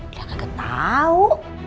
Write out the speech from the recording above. dia gak tau